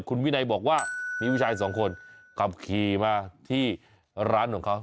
คุณวินัยบอกว่ามีผู้ชายสองคนขับขี่มาที่ร้านของเขา